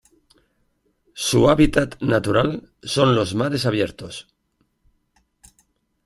Su hábitat natural son los mares abiertos.